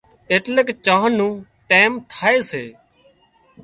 ايٽليڪ چانه نو ٽيم ٿائي سي